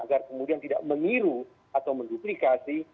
agar kemudian tidak meniru atau menduplikasi